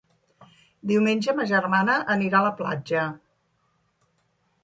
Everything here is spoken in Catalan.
Diumenge ma germana anirà a la platja.